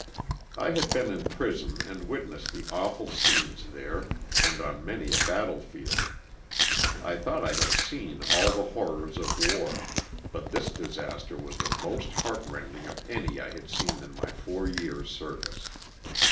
[ had been in prison and witnessed the awful scenes there and on many a battle field. I thought I had seen all the horrors of war, but this disaster was the most heart rending of any I had seen in my four years, service.